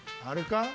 あるか？